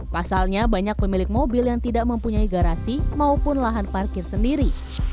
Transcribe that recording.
pasalnya banyak pemilik mobil yang tidak mempunyai garasi maupun lahan parkir sendiri